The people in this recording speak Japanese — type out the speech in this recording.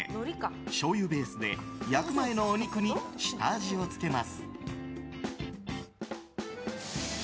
しょうゆベースで焼く前のお肉に下味をつけます。